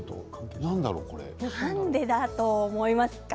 なんでだと思いますか。